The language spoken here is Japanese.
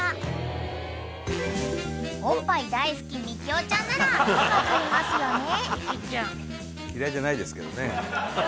［おっぱい大好きみきおちゃんなら分かりますよね？］